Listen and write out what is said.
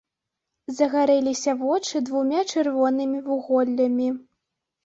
Загарэліся вочы двума чырвонымі вуголлямі.